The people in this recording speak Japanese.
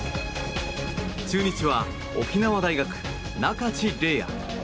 中日は沖縄大学、仲地礼亜。